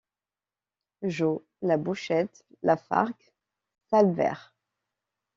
Jau, Labouchède, Lafargue, Salvayre...